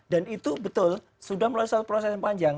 dan itu betul sudah melalui satu proses yang panjang